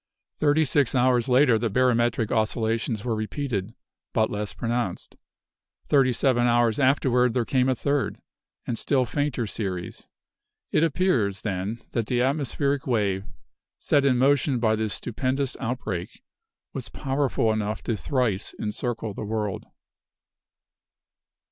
Thirty six hours later the barometric oscillations were repeated, but less pronounced. Thirty seven hours afterward there came a third, and still fainter series. It appears, then, that the atmospheric wave, set in motion by this stupendous outbreak, was powerful enough to thrice encircle the world.